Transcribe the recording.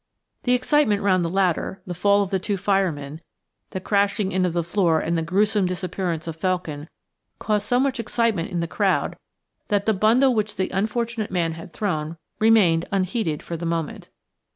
The excitement round the ladder, the fall of the two firemen, the crashing in of the floor and the gruesome disappearance of Felkin caused so much excitement in the crowd that the bundle which the unfortunate man had thrown remained unheeded for the moment.